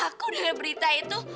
aku udah ngeri berita itu